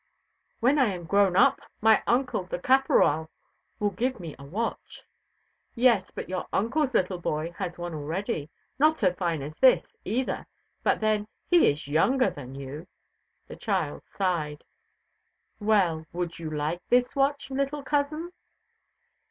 '" "When I am grown up, my uncle, the Caporal, will give me a watch." "Yes; but your uncle's little boy has one already; not so fine as this either. But then, he is younger than you." The child sighed. "Well! Would you like this watch, little cousin?"